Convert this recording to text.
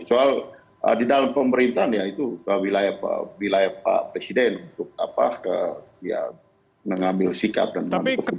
soal di dalam pemerintahan ya itu wilayah pak presiden untuk mengambil sikap dan mengambil keputusan